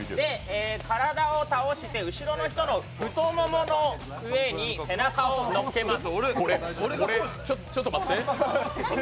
体を倒して後ろの人の太ももの上に背中を乗っけます。